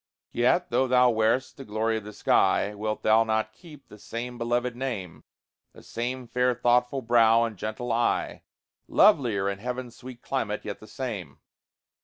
Yet though thou wear'st the glory of the sky, Wilt thou not keep the same beloved name, The same fair thoughtful brow, and gentle eye, Lovelier in heaven's sweet climate, yet the same?